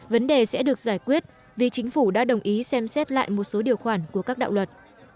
vấn đề sẽ được giải quyết vì chính phủ đã đồng ý xem xét lại một số điều khoản của các đạo luật